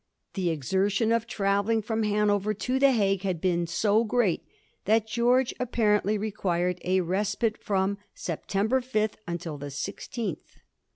The exertion of travelling from Hanover to the Hague had been so great that George apparently required a respite from September 5 until the 16th.